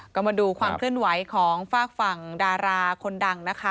ก็มาดูความเคลื่อนไหวของฝากฝั่งดาราคนดังนะคะ